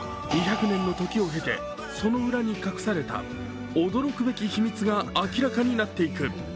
２００年の時を経て、その裏に隠された驚くべき秘密が明らかになっていく。